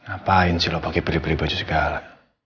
ngapain sih lo pake beli beli baju segala